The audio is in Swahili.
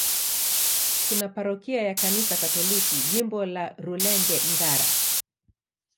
Kuna parokia ya Kanisa Katoliki, Jimbo la Rulenge-Ngara.